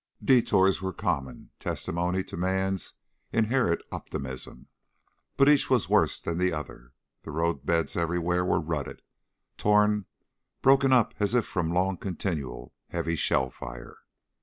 Detours were common testimony to man's inherent optimism but each was worse than the other, the roadbeds everywhere were rutted, torn, broken up as if from long continued heavy shell fire.